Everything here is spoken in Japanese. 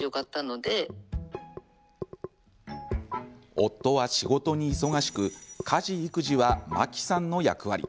夫は仕事に忙しく家事育児は、マキさんの役割。